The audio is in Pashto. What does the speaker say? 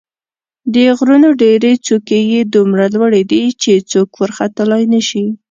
د غرونو ډېرې څوکې یې دومره لوړې دي چې څوک ورختلای نه شي.